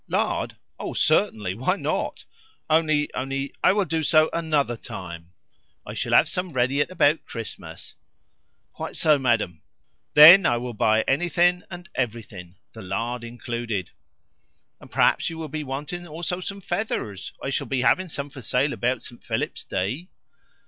"Lard? Oh certainly. Why not? Only, only I will do so ANOTHER time." "I shall have some ready at about Christmas." "Quite so, madam. THEN I will buy anything and everything the lard included." "And perhaps you will be wanting also some feathers? I shall be having some for sale about St. Philip's Day."